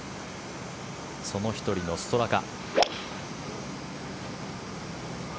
その１人のストラカ。